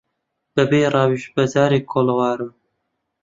بە بێ ڕاویش بەجارێک کۆڵەوارم